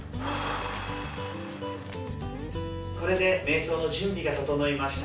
これでめい想の準備が整いました。